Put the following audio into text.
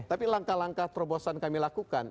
tapi langkah langkah terobosan kami lakukan